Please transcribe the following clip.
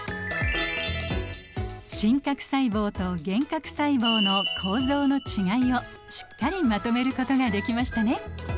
真核細胞と原核細胞の構造の違いをしっかりまとめることができましたね。